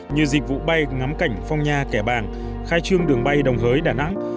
như dịch vụ bay ngắm cảnh phong nha kẻ bàng khai trương đường bay đồng hới đà nẵng